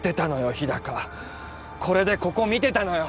日高これでここ見てたのよ